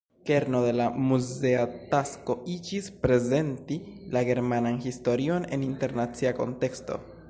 Kerno de la muzea tasko iĝis, "prezenti la germanan historion en internacia konteksto".